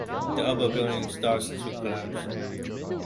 The upper building starts to collapse.